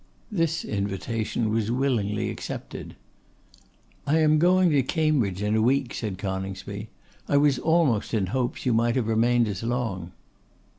This invitation was willingly accepted. 'I am going to Cambridge in a week,' said Coningsby. I was almost in hopes you might have remained as long.